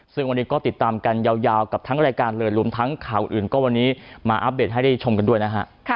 ซึ่งวันนี้ก็ติดตามกันยาวกับทั้งรายการเลยรวมทั้งข่าวอื่นก็วันนี้มาอัปเดตให้ได้ชมกันด้วยนะฮะ